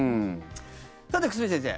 さて、久住先生